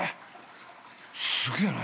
すげえな